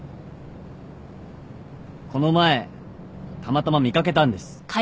この前たまたま見掛けたんです。